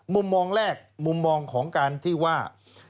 มุมมองแรกมุมมองของการที่ว่า